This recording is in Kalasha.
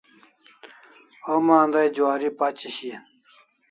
Homa andai juari pachi shian